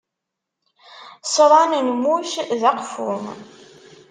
Ṣṣran n muc d aqeffu.